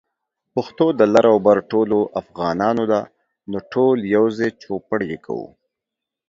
پښتو د لر او بر ټولو افغانانو ده، نو ټول يوځای چوپړ يې کوو